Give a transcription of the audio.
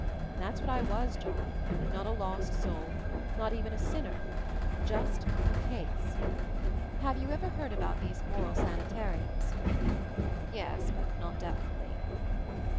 That's what I was, John; not a lost soul; not even a 'sinner' — just 'a case/ Have you heard about these moral sanitariums?" "Yes — but not definitely."